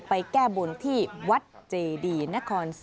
แก้บนที่วัดเจดีนครศรี